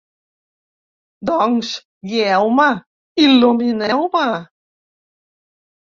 Doncs, guieu-me, il·lumineu-me!